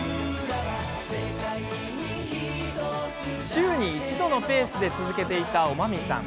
週に１度のペースで続けていたおまみさん。